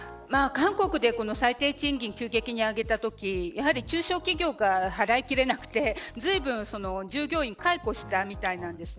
韓国で最低賃金を急激に上げたときやはり中小企業が払いきれなくてずいぶん、従業員を解雇したみたいなんです。